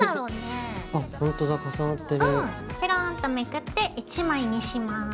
ぺろんとめくって１枚にします。